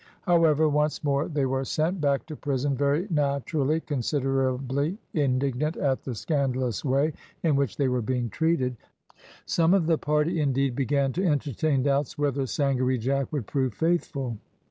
However, once more they were sent back to prison, very naturally considerably indignant at the scandalous way in which they were being treated. Some of the party, indeed, began to entertain doubts whether Sangaree Jack would prove faithful.